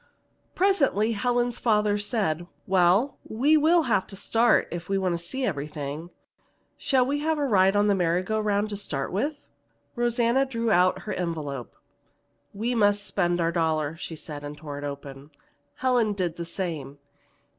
Presently Helen's father said, "Well, we will have to start if we want to see everything. Shall we have a ride on the merry go round to start with?" Rosanna drew out her envelope. "We must spend our dollar," she said and tore it open. Helen did the same.